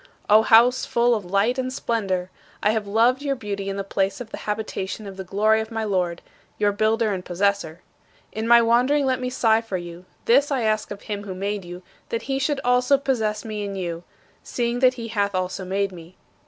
O house full of light and splendor! "I have loved your beauty and the place of the habitation of the glory of my Lord," your builder and possessor. In my wandering let me sigh for you; this I ask of him who made you, that he should also possess me in you, seeing that he hath also made me.